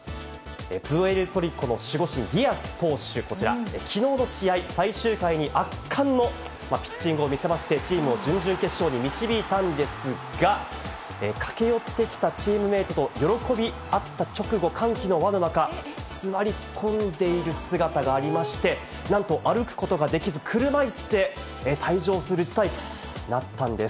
プエルトリコの守護神、ディアス投手、こちら、きのうの試合、最終回に圧巻のピッチングを見せまして、チームを準々決勝に導いたんですが、駆け寄ってきたチームメートと喜び合った直後、歓喜の輪の中、座り込んでいる姿がありまして、なんと歩くことができず、車いすで退場する事態となったんです。